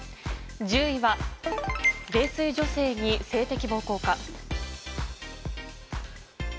１０位は泥酔女性に性的暴行か。